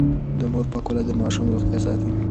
د مور پاکوالی د ماشوم روغتيا ساتي.